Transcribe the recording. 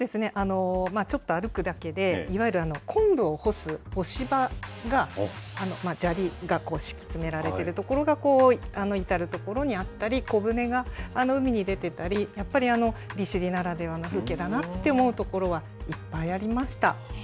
ちょっと歩くだけで、いわゆる昆布を干す干し場が砂利が敷き詰められている所が至る所にあったり、小舟が海に出てたり、やっぱり利尻ならではの風景だなって思う所はいっぱいありました。